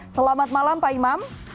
selamat malam pak imam